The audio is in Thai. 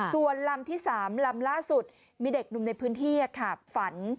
ส่วนลำที่๓ลำล่าสุดมีเด็กหนุ่มในพื้นที่ฝัน